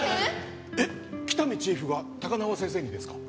えっ喜多見チーフが高輪先生にですか？